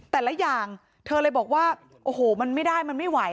แต่ละอย่างเธอเลยบอกว่าโอ้โหมันไม่ได้มันไม่ไหว